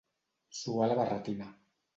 Suar la barretina.